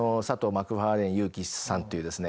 マクファーレン優樹さんというですね